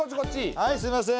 はいすみません。